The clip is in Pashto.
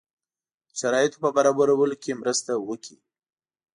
د شرایطو په برابرولو کې مرسته وکړي.